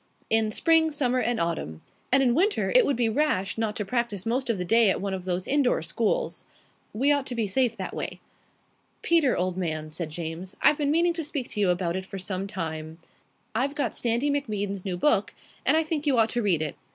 "In spring, summer, and autumn. And in winter it would be rash not to practise most of the day at one of those indoor schools." "We ought to be safe that way." "Peter, old man," said James, "I've been meaning to speak to you about it for some time. I've got Sandy MacBean's new book, and I think you ought to read it.